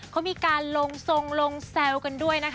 เขามีการลงทรงลงแซวกันด้วยนะคะ